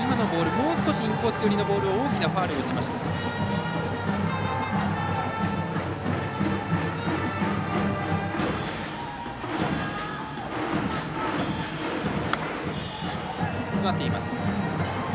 もう少しインコース寄りのボール大きなファウルを打ちました。